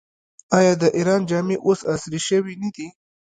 آیا د ایران جامې اوس عصري شوې نه دي؟